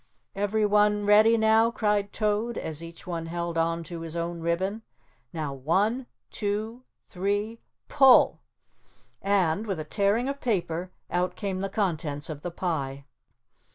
"Everyone ready now," cried Toad as each one held on to his own ribbon. "Now, one, two, three, pull," and, with a tearing of paper out came the contents of the pie.